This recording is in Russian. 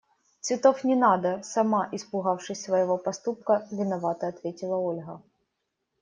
– Цветов не надо! – сама испугавшись своего поступка, виновато ответила Ольга.